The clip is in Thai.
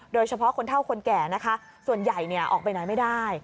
โดยเฉพาะคนเท่าคนแก่นะคะส่วนใหญ่ออกไปไหนไม่ได้